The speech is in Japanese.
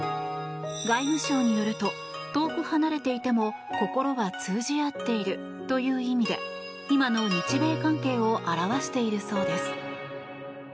外務省によると遠く離れていても心は通じ合っているという意味で今の日米関係を表しているそうです。